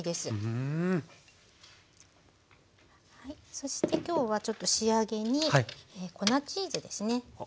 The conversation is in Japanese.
そして今日はちょっと仕上げに粉チーズですね。